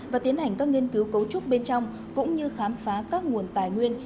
và tiến hành các nghiên cứu cấu trúc bên trong cũng như khám phá các nguồn tài nguyên